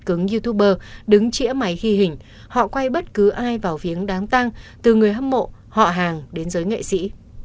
các youtuber đứng chĩa máy khi hình họ quay bất cứ ai vào viếng đám tang từ người hâm mộ họ hàng đến giới nghệ sĩ